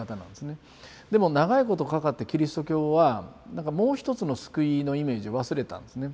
でも長いことかかってキリスト教はなんかもう一つの救いのイメージを忘れたんですね